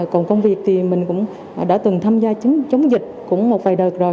còn công việc thì mình cũng đã từng tham gia chống dịch cũng một vài đợt rồi